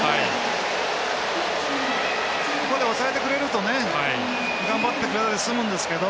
ここで抑えてくれると「頑張ってくれた」で済むんですけど。